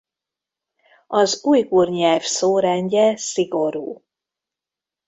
Az ujgur nyelv szórendje szigorú.